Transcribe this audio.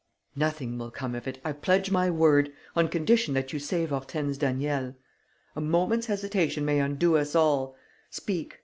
"Nothing will come of it, I pledge my word, on condition that you save Hortense Daniel. A moment's hesitation may undo us all. Speak.